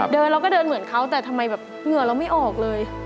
เราก็เดินเหมือนเขาแต่ทำไมแบบเหงื่อเราไม่ออกเลย